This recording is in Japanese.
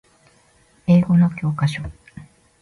英語の教科書